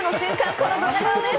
このドヤ顔です！